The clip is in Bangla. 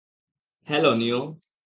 হ্যালো, নিও।